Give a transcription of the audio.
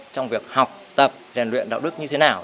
trong việc học tập rèn luyện đạo đức như thế nào